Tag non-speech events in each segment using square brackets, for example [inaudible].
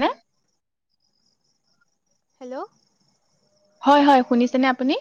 নে হেল্ল' হয় হয় শুনিছেনে আপুনি,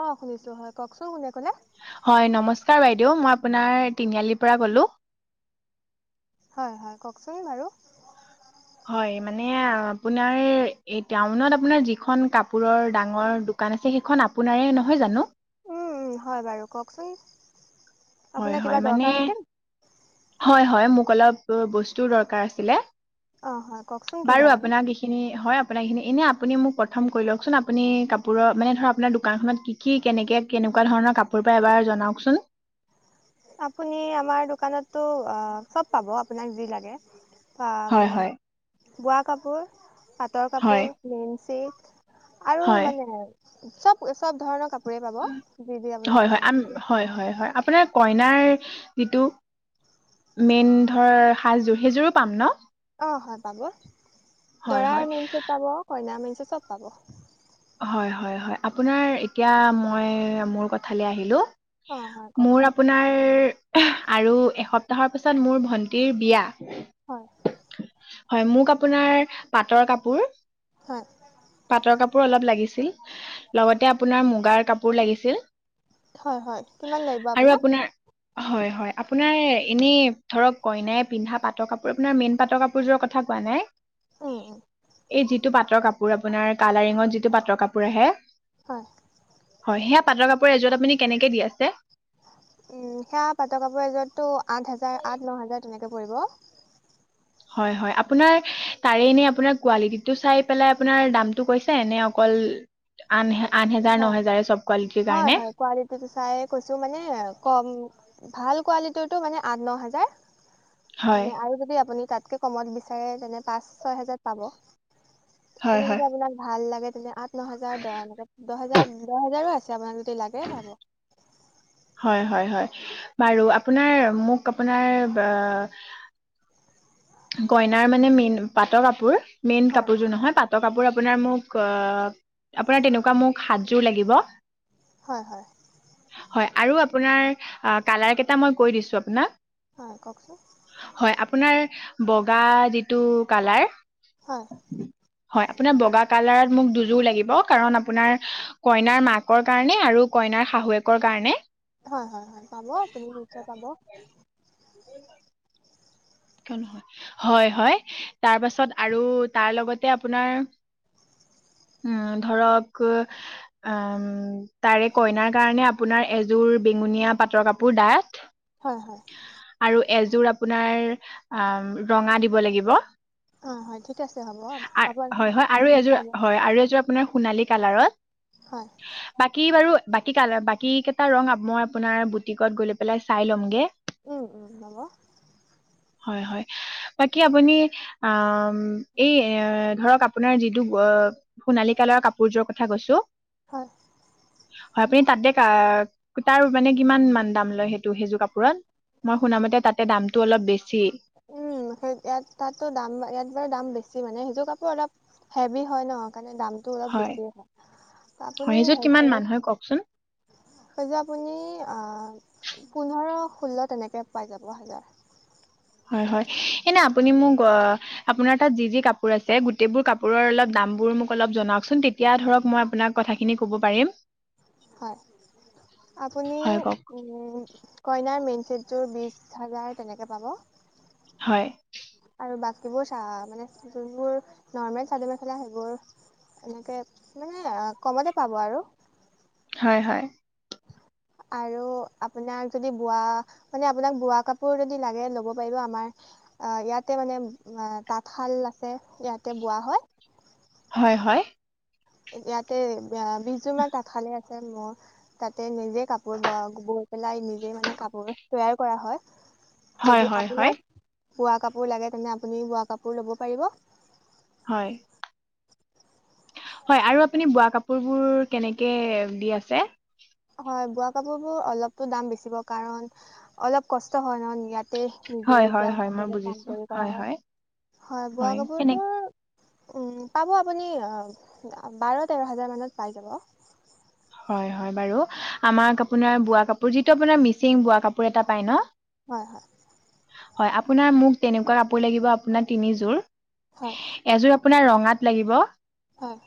অ শুনিছো হয় কওকচোন কোনে ক'লে? হয় নমস্কাৰ বাইদেউ, মই আপোনাৰ তিনিআলিৰ পৰা ক'লো। হয় হয় কওকচোন বাৰু। মানে আপোনাৰ এই টাউনত আপোনাৰ যিখন কাপোৰৰ ডাঙৰ দোকান আছে, সেই খন আপোন এ নহয় জানো। উম উম হয় বাৰু কওকচোন, হয় আপোনাৰ হয় কিবা মানে দৰকাৰ হৈছিল হয় হয় মোক, অলপ বস্তু দৰকাৰ হৈছিলে অঁ হয় কওকচোন কি বাৰু লাগে আপোনাক এইখিনি হয়, আপোনাৰ এইখিনি এনেই আপুনি মোক প্ৰথম কৰি লওকচোন। আপুনি কাপোৰৰ মানে ধৰক আপোনাৰ দোকানখনত কি কি কেনেকৈ কেনে, এনেকুৱা ধৰণৰ কাপোৰ পাই এবাৰ জনাওকচোন। আপুনি আমাৰ দোকানতটো চব পাব আপোনাক যি লাগে। বা হয় মানে হয় বোৱা কাপোৰ পাটৰ হয় কাপোৰ লিন্ঞ্চি, আৰু হয় মানে চব চব ধৰণৰ কাপোৰ কাপোৰে পাব যি যি হয় আপোনাক হয় আম লাগে হয় হয় হয় আপোনাৰ কইনাৰ যিটো, মেইন ধৰ সাজযোৰ সেইযোৰো পাম ন। অ হয় পাব। হয় হয় দৰাৰ মেইনচেট পাব কইনাৰ মেইনচেট, চব পাব। হয় হয় হয়, আপোনাৰ এতিয়া মই মোৰ কথাল আহিলো। অঁ হয় মোৰ কওকচোন আপোনাৰ, আৰু এসপ্তাহৰ পিছত মোৰ ভন্টিৰ বিয়া। হয়। হয় মোক আপোনাৰ পাটৰ কাপোৰ হয় পাটৰ কাপ কাপোৰ অলপ লাগিছিল লগতে আপোনাৰ মুগাৰ কাপোৰ লাগিছিল। হয় হয় কিমান লাগিব আৰু আপোনাক আপোনাৰ হয়-হয়। আপোনাৰ এনেই ধৰক কইনাই পিন্ধা পাটৰ কাপোৰ আপোনাৰ মেইন পাটৰ কাপোৰযোৰৰ কথা কোৱা নাই। উম উম এই যিটো পাটৰ কাপোৰ আপোনাৰ কালাৰিঙত যিটো পাটৰ কাপোৰ আহে। হয়। হয় সেয়া পাটৰ কাপোৰৰ এযোৰত আপুনি কেনেকে দি আছে। উম, সেয়া পাটৰ কাপোৰ এযোৰ টো আঠ হাজাৰ আঠ ন হাজাৰ তেনে। তেনেকে পাৰিব। হয়-হয় আপোনাৰ তাৰে নেই আপোনাৰ কোৱালিটিটো চাই পেলাই আপোনাৰ দামটো কৈছে নে অকল উ [inaudible] কাৰণে হয়-হয়-হয় কোৱালিটিটো চাই কৈছো মানে কম। ভাল কোৱালিটিৰতটো মানে আঠ ন হাজাৰ হয় মানে আৰু যদি আপুনি তাট কে কমত বিচাৰে তেনে পাঁচ ছয় হেজাৰত পাব হয় এটো হয় যদি আপোনাক ভাল লাগে। এনে আঠ ন হেজাৰ দহ এনেকে দহ হেজাৰ দহ হেজাৰো আছে আপোনাক যদি লাগে পাব। [inaudible] হয়-হয়-হয় বাৰু আপোনাৰ মোক আপোনাৰ বা কইনাৰ মানে মেইন পাটৰ কাপোৰ মেইন হয়, কাপোৰযোৰ নহয় পাত ৰ কাপোৰ আপোনাৰ মোক আপোনাৰ তেনেকুৱা মোক সাতযোৰ লাগিব। হয়-হয়। হয় আৰু আপোনাৰ কালাৰ কেইটা মই কৈ দিছো আপোনাক। হয় কওকচোন হয় আপোনাৰ বগা যিটো কালাৰ হয়, হয় আপোনাৰ বগা কালাৰত। মোক দুযোৰ লাগিব কাৰণ আপোনাৰ কইনাৰ মাকৰ কাৰণে আৰু কইনাৰ শাহুৱেকৰ কাৰণে। হয়-হয়-হয় পাব আপুনি নিশ্চয় পাব। স [inaudible] কিয় হয়-হয় তাৰ পাছত আৰু তাৰ লগতে আপোনাৰ। [inaudible] উম, ধৰক উ তাৰে কইনাৰ কাৰণে আপোনাৰ এযোৰ বি গোনীয়া পাটৰ কাপোৰ দাইত হয়, হয়, আৰু এযোৰ আপোনাৰ আ' ৰঙা দিব লাগিব। অ, হয়, হয় ঠিক আছে হ'ব আপোনাৰ হয়-হয় আৰু এযোৰ পাব হয় আৰু এযোৰ আৰু এযোৰ। আপোনাৰ সোণালী কালাৰত হয়, বাকী বাৰু বাকী কি কালাৰ বাকী কেইটা ৰং মই আপোনাৰ বুটিকত গৈ পেলাই চাই ল'মগে। উম-উম হব। হয়-হয় বাকি আপুনি আ, এই এ ধৰক আপোনাৰ যিটো সোণালী কালৰৰ কাপোৰযোৰ কথা কৈছো। হয়। হয় আপুনি তাতে তাৰ মানে কিমান মান দাম লয় সেইটো সেইযোৰ কাপোৰত। মই শুনামতে তাতে দামটো অলপ বে উম, সেই ইয়াত তাতো দাম ইয়াত বাৰু দাম বেছি মানে সেইযোৰ। কাপোৰ অলপ হেভি হয় ন। মাণে দামটো অলপ বেছিয়ে হয় হয় আপুনি সেইযোৰত কিমান হেই মান হয় কওকচোন সেইযোৰ আপুনি আ, পোন্ধৰ ষোল্ল তেনেকৈ পাই যাব হাজাৰ। [inaudible] হয়-হয় এনে আপুনি মোক অ, আপোনাৰ তাত যি-যি কাপোৰ আছে গোতেবোৰ কাপোৰৰ অলপ দাম বোৰ মোক অলপ জনাওকচোন তেতিয়া ধৰক মই আপোনাক কথাখিনি ক'ব পাৰিম। হয় আপুনি হয় কওক কইনাৰ মেইন চিটটোৰ বিজ হাজাৰ তেনেকৈ পাব। হয়। আৰু বাকীবোৰ চ মানে যোনবোৰ নৰ্মেল চাদৰ মেখেলা সেইবোৰ। এনেকে মানে আ কমতে পাব আৰু। হয় হয়। আৰু আপোনাক যদি বোৱা মানে আপোনাক বোৱা কাপোৰ যদি লাগে ল'ব পাৰিব আমাৰ অ ইয়াতে মানে অ তাঁতশাল আছে, ইয়াতে বোৱা হয়। হয় হয়। ইয়াতে আয়া বিশজোৰ মান তাঁতশালে আছে। এতিয়া মোৰ তাতে নিজে কাপোৰ বোৱা, বৈ পেলাই নিজে মানে কাপোৰ তৈয়াৰ কৰা হয়। হয় হয় যদি হয় হয় আপোনাক বোৱা কাপোৰ লাগে তেন্তে আপুনি বোৱা কাপোৰ ল'ব পাৰিব হয় হয় আৰু আপুনি বোৱা কাপোৰ বোৰ কেনেকে দি আছে হয় বোৱা কাপোবোৰ অলপকৈ দাম বিছিব কাৰণ অলপ কষ্ট হয় নহয় তে নিজে হয় হয় তেতিয়া হয় মই হাতেৰে কাম বুজিছো কৰি কৰা হয়, হয় বোৱা কাপোৰবোৰ উম পাব আপুনি বাৰ তেৰ হাজাৰ মানত পাই যাব হয় হয় বাৰু আমাক আপোনাৰ বোৱা কাপোৰ যিটো আপোনাৰ মিচিং বোৱা কাপোৰ এটা পায় ন হয় হয় হয় আপোনাৰ মোক তেনেকুৱা কাপোৰ লাগিব আপোনাৰ তিনিযোৰ হয় এযোৰ আপোনাৰ ৰঙাত লাগিব হয়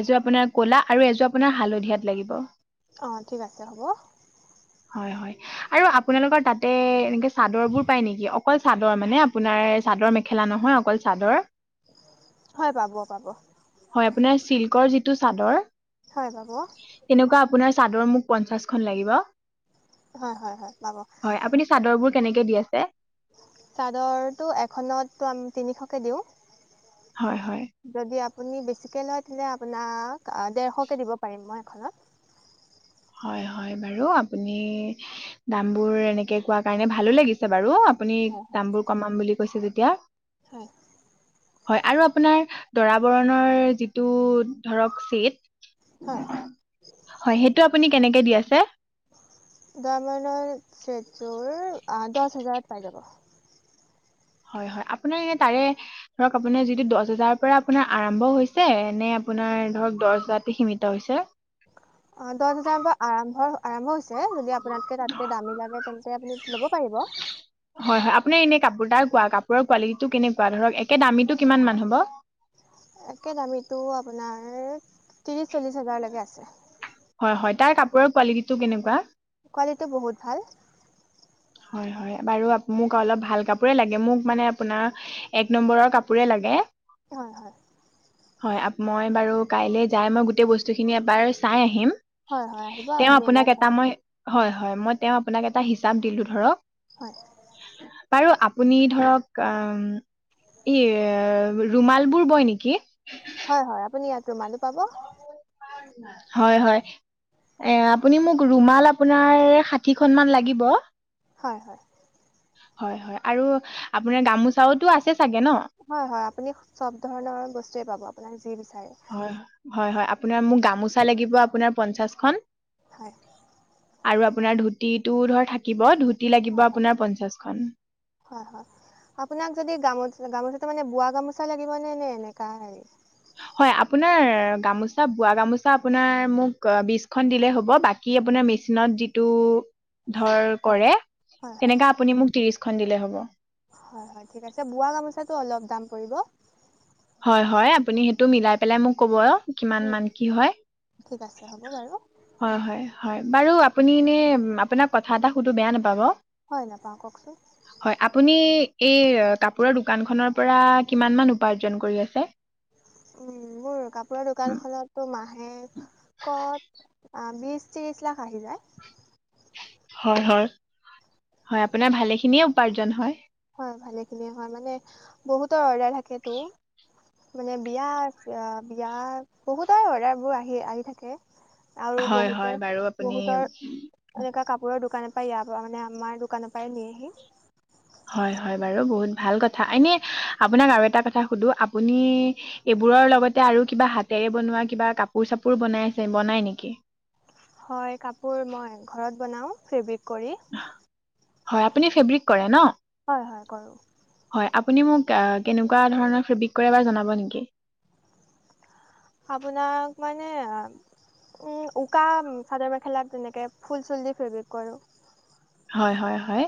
এযোৰ আপোনাৰ কলা আৰু এযোৰ আপোনাৰ হালধিয়াত লাগিব অঁ ঠিক আছে হ'ব। হয় হয় আৰু আপোনালোকৰ তাতে এনেকে চাদৰ বোৰ পায় নেকি অকল চাদৰ মানে আপোনাৰ চাদৰ মেখেলা নহয় অকল চাদৰ হয় পাব পাব আপোনাৰ চিল্কৰ যিটো চাদৰ হয় বাবু তেনেকুৱা আপোনাৰ চাদৰ মোক পঞ্চাশখন লাগিব হয় হয় হয় পাব হয় আপুনি চাদৰবোৰ কেনেকে দি আছে চাদৰটো এখনত তিনিশকে কম দিওঁ হয় হয় যদি আপুনি বেছিকৈ লয় তেলে আপোনাক ডেৰশকৈ দিব পাৰিম মই এখনত হয় হয় বাৰু আপুনি দাম বোৰ এনেকে কোৱা কাৰণে ভালো লাগিছে বাৰু আপুনি হয় হয় দামবোৰ কমাম বুলি কৈছে যেতিয়া হয় হয় আৰু আপোনাৰ দৰা বৰণৰ যিটো ধৰক চেট হয় হয় সেইটো আপুনি কেনেকে দি আছে দামনত ছেট যোৰ দহ হাজাৰত পাই যাব হয় হয় আপোনাৰ এ তাৰে ধৰক আপোনাৰ যিটো দহ হাজাৰৰ পৰা আপোনাৰ আৰম্ভ হৈছে নে আপোনাৰ ধৰক দহ হজাৰতে সীমিত হৈছে অ দশ হজাৰ পৰা আৰম্ভৰ আৰম্ভ হৈছে যদি আপোনালকে তাতকে দামী লাগে তেন্তে আপুনি ল'ব পাৰিব হয় হয় আপোনাৰ এনে কাপোৰ তাৰ কোৱা কাপোৰৰ কোৱালিটিটো কেনেকুৱা ধৰক একে দামীটো কিমান মান হ'ব একে দামীটো আপোনাৰ ত্ৰিছ চল্লিছ হাজাৰলৈকে আছে। হয় হয় তাৰ কাপোৰৰ কোৱালিটিটো কেনেকুৱা কোৱালিটি বহুত ভাল হয় হয় বাৰু মোক অলপ ভাল কাপোৰে লাগে মোক মানে আপোনাৰ এক নম্বৰৰ কাপোৰে লাগে হয় হয় হয় মই বাৰু কাইলৈ যাই মই গোটেই বস্তুখিনি এবাৰ চাই আহিম হয় হয় আহিব তেওঁ আপুনি এবাৰ আপোনাক চাই এটা ল'ব মই হয় হয় মই তেওঁক আপোনাক এটা হিচাপ দিলো হয় ধৰক বাৰু আপুনি ধৰক এই ৰুমাল বোৰ বয় নেকি হয় হয় আপুনি ইয়াত ৰুমালো পাব হয় হয় এ আপুনি মোক ৰুমাল আপোনাৰ ষাঠিখনমান লাগিব হয় হয় হয় হয় আৰু আপোনাৰ গামোচাওতো আছে চাগে ন হয় হয় আপুনি চব ধৰণৰ বস্তুৱে পাব আপোনাক যি বিচাৰে হয় হয় হয় হয় আপোনাৰ মোক গামোচা লাগিব আপোনাৰ পঞ্চাশখন। হয়। আৰু আপোনাৰ ধুতিটো ধৰ থাকিব ধুতি হয় লাগিব হয় আপোনাৰ পঞ্চাশখন। হয় হয় আপোনাক যদি গামো গামোচা মানে বোৱা গামোচা লাগিব নে নে এনেকা হেৰি? হয় আপোনাৰ গামোচা বোৱা গামোচা আপোনাৰ মোক বিশখন দিলে হ'ব বাকী কি আপোনাৰ মেচিনত যিটো ধৰ হয় কৰে হয় হয় তেনেকা আপুনি মোক ত্ৰিশখন দিলে হ'ব। হয় হয় ঠিক আছে, বোৱা গামোচাটো অলপ দাম পৰিব। হয় হয় আপুনি সেইটো মিলাই পেলাই মোক ক'ব। কিমান উম, মান উম, কি হয় ঠিক আছে হ'ব বাৰু হয় হয় হয়। বাৰু আপুনি এনে আপোনাক কথা এটা সুধো বেয়া নাপাব। হয় নেপাওঁ কওকচোন। হয় আপুনি এই কাপোৰৰ দোকান খনৰ পৰা কিমান মান উপাৰ্জন কৰি আছে? উম, মোৰ কাপোৰৰ উম, দোকানখনততো মাহে ক'ত? অ, বিছ, ত্ৰিছ লাখ আহি যায়। হয়-হয়- হয় আপোনাৰ ভালে খিনিয়ে উপাৰ্জন হয়। হয় ভালেখিনিয়ে হয় মানে বহুতৰ অৰ্ডাৰ থাক তো মানে বিয়া চিয় বিয়া বহুতৰে অৰ্ডাৰবোৰ আহি-আহি থাকে। আৰু হয় হয় বহুতে বাৰু আপুনি বহুতৰ এনেকুৱা কাপোৰৰ দোকান অ, ইয়া পৰা মানে আমাৰ দোকানৰ পৰাই নিয়েহি। হয়-হয় বাৰু বহুত ভাল কথা এনে আপোনাক আৰু এটা কথা সুধো আপুনি এইবোৰ কাপোৰৰ লগতে আৰু কিবা হাতেৰে বনোৱা কিবা কাপোৰ চাপোৰ বনাই আছে বনাই নেকি? হয় কাপোৰ মই ঘৰত বনাওঁ ফেব্ৰিক কৰি। হয় আপুনি ফেব্ৰিক কৰে ন? হয়-হয় কৰোঁ। হয় আপুনি মোক অ, কেনেকুৱা ধৰণৰ ফেব্ৰিক কৰে জনাব নেকি? আপোনাক মানে আ উম, উকা চাদৰ মেখেলাত তেনেকে ফুল চুল দি ফেব্ৰিক কৰোঁ। হয়-হয়- হয়।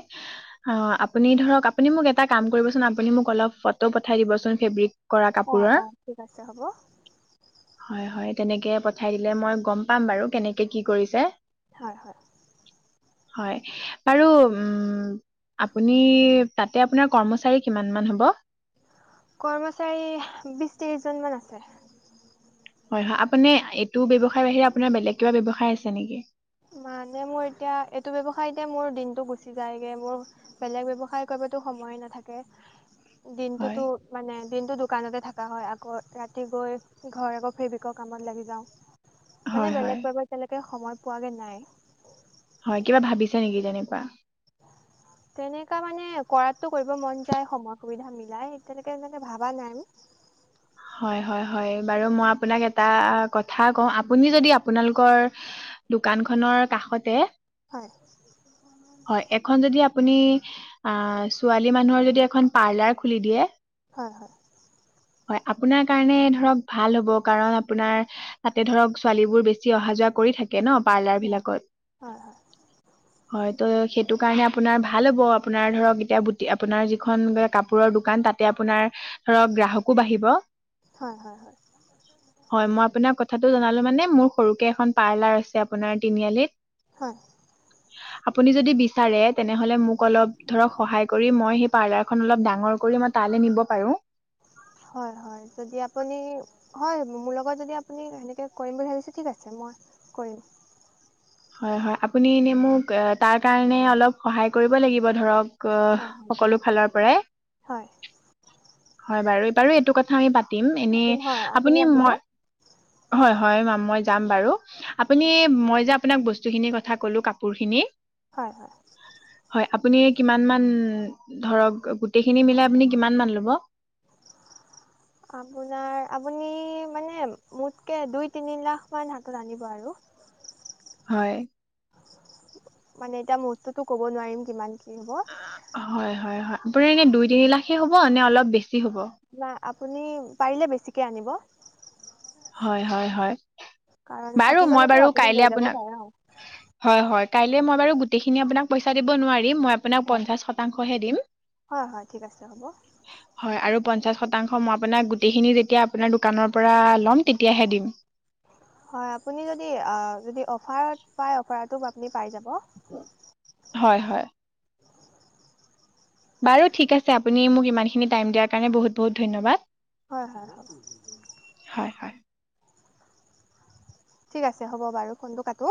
অ, আপুনি ধৰক আপুনি মোক এটা কাম কৰিবচোন আপুনি মোক অলপ ফটো পঠাই দিবচোন ফেব্ৰিক। কৰা অ', কাপোৰৰ অ', ঠিক আছে হ'ব। হয় হয় তেনেকে পঠাই দিলে মই গম পাম বাৰু কেনেকে কি কৰিছে? হয়-হয়। হয় বাৰু উম, আপুনি তাতে আপোনাৰ কৰ্মচাৰী কিমান মান হ'ব? কৰ্মচাৰী বিছ ত্ৰিছজন মান আছে। হয় হয় আপুনি এইটো ব্যৱসায় বাহিৰে আপোনাৰ বেলেগ কিবা ব্যৱসায় আছে নেকি মানে মোৰ এতিয়া এইটো ব্যৱসায়ীতে মোৰ দিনতটো গুচি যায়গে মোৰ বেলেগ ব্যৱসায় কৰি কৰিব টো সময় নাথাকে হয় দিনতো মানে দিনটো দোকানতে থাকা হয় আকৌ ৰাতি গৈ ঘৰ আকৌ ফ্ৰী বিক কামত লাগি যাওঁ মানে হয় হয় বেলেগ কোৱাকৈ তেনেকে সময় পোৱাগে নাই হয় কিবা ভাবিছে নেকি যেনেকুৱা [inaudible] তেনেকুৱা মানে কৰাতো, কৰিব মন যায়, সময়-সুবিধা মিলাই, তেনেকৈ এতিয়ালৈকে ভাবা নাই [inaudible] হয়, হয়, হয়, বাৰু, মই আপোনাক এটা কথা কওঁ, আপুনি যদি আপোনালোকৰ দোকানখনৰ কাষতে, হয় হয়, এখন যদি আপ আপুনি, আ, ছোৱালী মানুহৰ যদি এখন পাৰ্লাৰ খুলি দিয়ে হয়, হয়। হয়, আপোনাৰ কাৰণে ধৰক ভাল হ'ব, কাৰণ আপোনাৰ, তাতে ধৰক ছোৱালীবোৰ বেছি অহা-যোৱা কৰি থাক কে ন হয় পাৰ্লাৰবিলাকত? হয় হয়, ত', সেই সেইটো কাৰণে আপোনাৰ ভাল হ'ব। আপোনাৰ ধৰক, এতিয়া বুটি, আপোনাৰ যিখন কাপোৰৰ দোকান তাতে আপোনাৰ ধৰক গ্ৰাহকো বাঢ়িব। হয়, মই আপোনাক কথ কথাটো জনালোঁ মানে, মোৰ সৰুকে এখন পাৰ্লাৰ আছে আপোনাৰ তিনিআলিত হয়। আপুনি যদি বিচাৰে তেনেহলে মোক অলপ ধৰক সহায় কৰি মই সেই পাৰ্লাৰখন অলপ ডাঙৰ কৰি মই তালে নিব পাৰো হয় হয় যদি আপুনি হয়, মোৰ লগত যদি আপুনি তেনেকে কৰিব বুলি ভাবিছে, ঠিক আছে, মই কৰিম। হয়, হয়, আপুনি এনে মোক, তাৰ কাৰণে অলপ সহায় কৰিব লাগিব ধৰক হয় হয় ঠিক সকলো আছে ফালৰ পৰাই হয়। হয় বাৰু, বাৰু এইটো কথা আমি পাত তিম এনে, পাতিম হয় আপুনি, আহিব। মই, হয়, হয়, মই যাম বাৰু। আপুনি, মই যে আপোনাক বস্তুখিনিৰ কথা ক'লোঁ, কাপোৰখিনি হয়, হয়। হয় আপুনি কিমানমান? ধৰক গোটেইখিনি মিলাই আপুনি কিমানমান ল'ব? [inaudible] আপোনাৰ, আপুনি মানে মোতকে দুই-তিনি লাখমান হাতত আনিব আৰু হয়। মানে এতিয়া মূহুৰ্ততটো ক'ব নোৱাৰিম কিমান কি হ'ব। হয়, হয়, হয় আপুনি কি দুই তিনি লাখে হ'ব নে অলপ বেছি হ'ব না আপুনি পাৰিলে বেছিকে আনিব। হয় -হয়- হয়। কাৰণ বাৰু থাকি মই গ'লেতো বাৰু আপুনি কাইলে লৈ যাব আপোনাক পাৰে ন। হয়, হয়। কাইলৈ মই বাৰু গোটেই খিনি আপোনাক পইচা দিব নোৱাৰিম। দিম মই আপোনাক হয় হয় পঞ্চাশ শতাংশ হে দিম হয় হয় ঠিক আছে হ'ব। হয় আৰু পঞ্চাশ শতাংশ শতাংশ মই আপোনাক গোটেইখিনি যেতিয়া আপোনাৰ দোকানৰ পৰা ল'ম তেতিয়াহে দিম। হয় আপুনি যদি যদি অফাৰত পায় অফাৰটো আ পাই যাব। হয় হয় বাৰু ঠিক আছে আপুনি মোক ইমানখিনি টাইম দিয়াৰ কাৰণে বহুত বহুত ধন্যবাদ। হয়, হয়। হয় হয় ঠিক আছে হ'ব বাৰু ফোনটো কাটো।